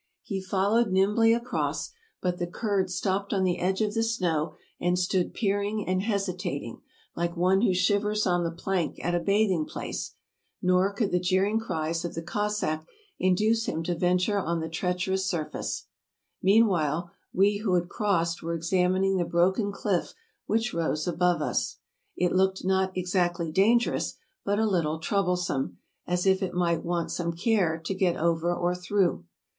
He fol lowed nimbly across ; but the Kurd stopped on the edge of the snow, and stood peering and hesitating, like one who shivers on the plank at a bathing place, nor could the jeer ing cries of the Cossack induce him to venture on the treach erous surface. Meanwhile, we who had crossed were ex amining the broken cliff which rose above us. It looked not exactly dangerous, but a little troublesome, as if it might want some care to get over or through.